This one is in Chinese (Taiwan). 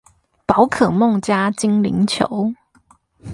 寶可夢加精靈球